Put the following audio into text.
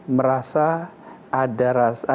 merasa ada kebahagiaan di sekolah sekolah